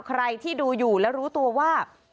ใครที่ดูอยู่และรู้ตัวว่า